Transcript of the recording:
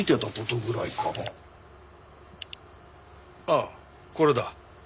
ああこれだ。